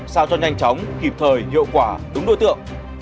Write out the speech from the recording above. sao cho nhanh chóng kịp thời hiệu quả đúng đối tượng